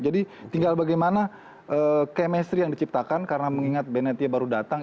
tinggal bagaimana chemistry yang diciptakan karena mengingat benetia baru datang